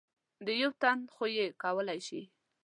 د یو تن خو یې کولای شئ .